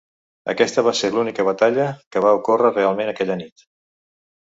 Aquesta va ser l'única batalla que va ocórrer realment aquella nit.